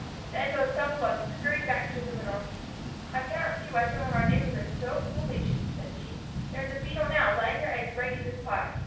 Then both Tumble bugs scurried back to the manure heap. "I cannot see why some of our neighbors are so foolish," said she. "There is a Beetle now, laying her eggs right in this pile.